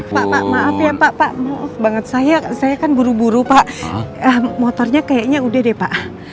pak pak maaf ya pak maaf banget saya kan buru buru pak motornya kayaknya udah deh pak